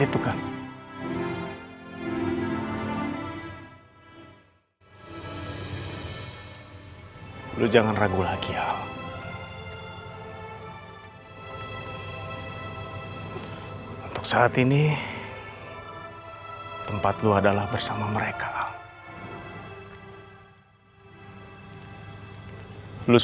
pekin asik nuestrasih kita macam dua satu feet